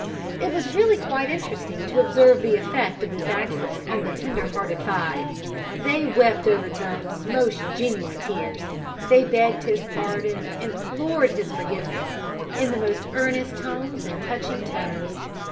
It was really quite interesting to observe the effect of this accident on the tender hearted five. They wept over Dumps most genuine tears. They begged his pardon implored his forgiveness in the most earnest tones and touching terms.